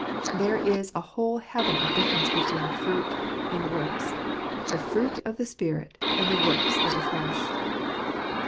There is a whole heaven of difference between fruit and works— the fruits of the Spirit, and the works of the flesh.